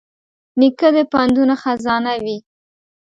نیکه د پندونو خزانه وي.